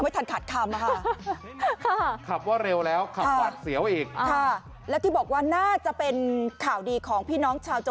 อันนี้จะเกาะอยู่อยู่อยาก